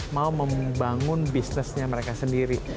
mau membangun bisnisnya mereka sendiri